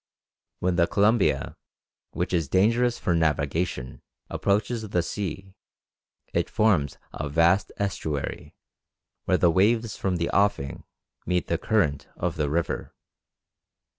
When the Columbia, which is dangerous for navigation, approaches the sea, it forms a vast estuary, where the waves from the offing meet the current of the river.